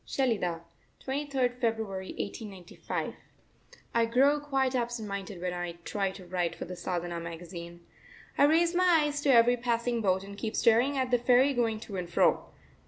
SHELIDAH, 23rd February 1895. I grow quite absent minded when I try to write for the Sadhana magazine. I raise my eyes to every passing boat and keep staring at the ferry going to and fro.